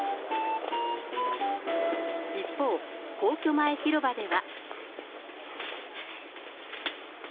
一方、皇居前広場では。